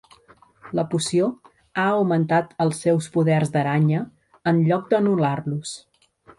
La poció ha augmentat els seus poders d'aranya en lloc d'anul·lar-los.